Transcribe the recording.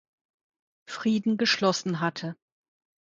Frieden geschlossen hatte.